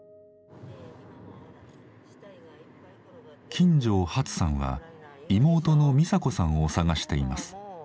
金城ハツさんは妹のミサ子さんを捜しています。